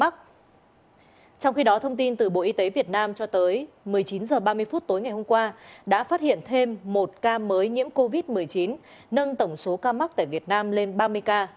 trong khi đó thông tin từ bộ y tế việt nam cho tới một mươi chín h ba mươi phút tối ngày hôm qua đã phát hiện thêm một ca mới nhiễm covid một mươi chín nâng tổng số ca mắc tại việt nam lên ba mươi ca